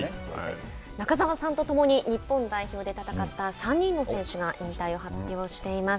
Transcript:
中澤さんとともに日本代表で戦った３人の選手が引退を発表しています。